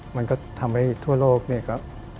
มันก็ทำให้ทั่วโลกนี่ก็